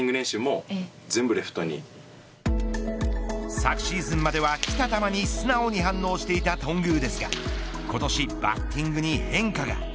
昨シーズンまでは来た球に素直に反応していた頓宮ですが今年バッティングに変化が。